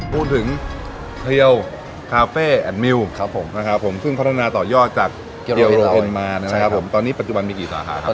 พูดถึงทีโอคาเฟ่แอดมิวซึ่งพัฒนาต่อยอดจากทีโอโรเฮนด์มาตอนนี้ปัจจุบันมีกี่สาขาครับ